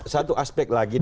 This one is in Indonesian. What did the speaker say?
satu aspek lagi